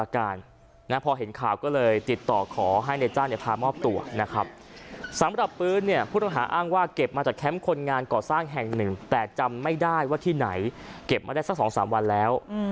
เก็บมาได้สักสองสามวันแล้ว